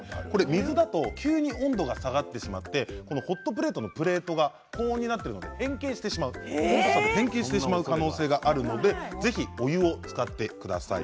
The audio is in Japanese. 水だと急に温度が下がってしまってホットプレートのプレートが高温になっているので変形してしまう可能性があるのでぜひお湯を使ってください。